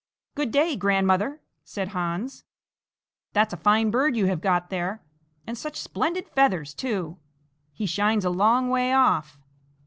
"Good day, grandmother!" said Hans. "That's a fine bird you have got there; and such splendid feathers too! he shines a long way off.